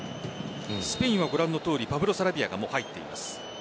スペインはご覧のとおりパブロ・サラビアが入っています。